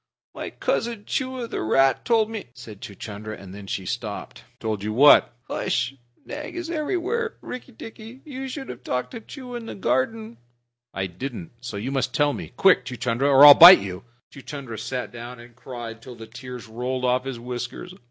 "My cousin Chua, the rat, told me " said Chuchundra, and then he stopped. "Told you what?" "H'sh! Nag is everywhere, Rikki tikki. You should have talked to Chua in the garden." "I didn't so you must tell me. Quick, Chuchundra, or I'll bite you!" Chuchundra sat down and cried till the tears rolled off his whiskers.